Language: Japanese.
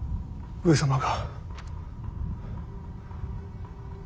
上様が？